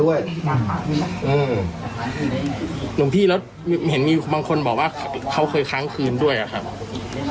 หลวงพี่แล้วเห็นมีบางคนบอกว่าเขาเคยค้างคืนด้วยอ่ะครับ